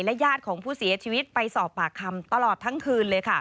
ญาติของผู้เสียชีวิตไปสอบปากคำตลอดทั้งคืนเลยค่ะ